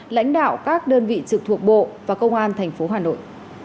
lãnh đạo các đơn vị trực thuộc bộ và công an tp hà nội